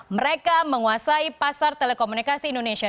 mereka menguasai pasar telekomunikasi indonesia